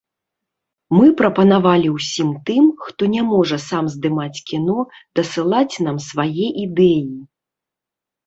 Мы прапанавалі ўсім тым, хто не можа сам здымаць кіно, дасылаць нам свае ідэі.